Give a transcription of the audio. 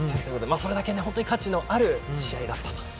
それぐらい価値のある試合だったと。